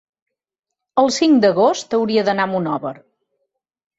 El cinc d'agost hauria d'anar a Monòver.